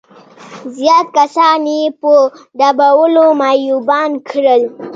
زيات کسان يې په ډبولو معيوبان کړل.